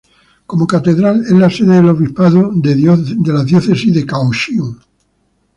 Como catedral, es la sede del obispo de la Diócesis de Kaohsiung.